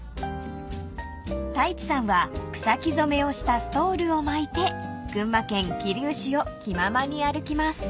［太一さんは草木染をしたストールを巻いて群馬県桐生市を気ままに歩きます］